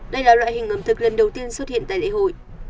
đây là loại hình ẩm thực lần đầu tiên xuất hiện tại lễ hội